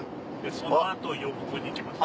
その後呼子に行きました。